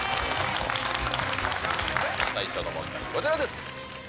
最初の問題、こちらです。